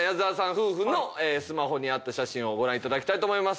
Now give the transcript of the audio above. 夫婦のスマホにあった写真をご覧いただきたいと思います。